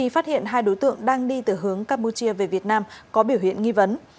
phát hiện hai đối tượng đang đi từ hướng campuchia về việt nam có biểu hiện nghi vấn